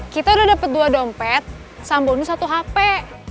kita udah dapet dua dompet sama bonus satu hape